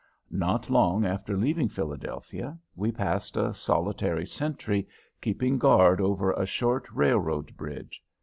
Not long after leaving Philadelphia, we passed a solitary sentry keeping guard over a short railroad bridge.